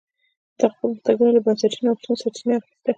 دغه پرمختګونو له بنسټي نوښتونو سرچینه اخیسته.